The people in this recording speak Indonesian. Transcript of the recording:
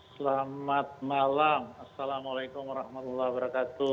selamat malam assalamualaikum wr wb